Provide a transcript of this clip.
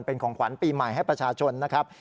เป็นของขวัญปีใหม่ให้ประชาชนนะครับ